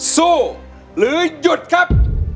สู้หรือหยุดครับ